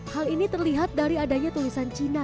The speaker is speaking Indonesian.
hal ini terlihat dari adanya tulisan cina